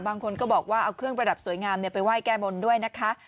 บางคนก็บอกว่าเอาเครื่องประดับสวยงามไปไหว้แก้บนด้วยนะคะ